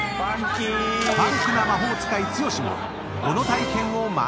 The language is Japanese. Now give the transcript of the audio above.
［ファンクな魔法使い剛もこの体験を満喫］